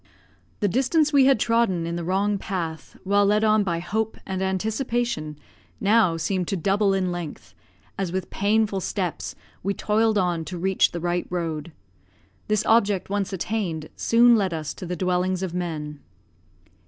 The distance we had trodden in the wrong path, while led on by hope and anticipation, now seemed to double in length, as with painful steps we toiled on to reach the right road. This object once attained, soon led us to the dwellings of men.